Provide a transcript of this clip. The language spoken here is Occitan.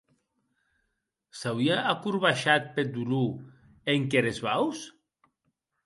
S’auie acorbaishat peth dolor enquiar esbauç?